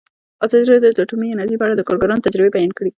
ازادي راډیو د اټومي انرژي په اړه د کارګرانو تجربې بیان کړي.